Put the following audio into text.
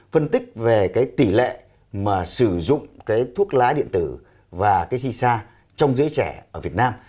phân tích về cái tỷ lệ mà sử dụng cái thuốc lá điện tử và cái cisa trong giới trẻ ở việt nam